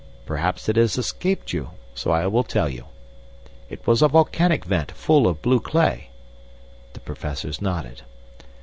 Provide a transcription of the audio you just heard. Perhaps it has escaped you, so I will tell you. It was a volcanic vent full of blue clay." The Professors nodded.